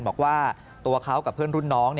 บอกว่าตัวเขากับเพื่อนรุ่นน้อง